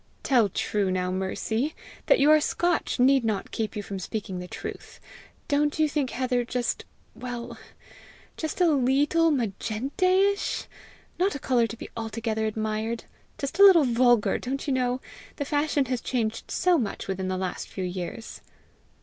"Tell true now, Mercy: that you are Scotch need not keep you from speaking the truth: don't you think heather just well just a leetle magentaish? not a colour to be altogether admired? just a little vulgar, don't you know? The fashion has changed so much within the last few years!"